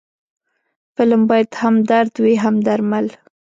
فلم باید هم درد وي، هم درمل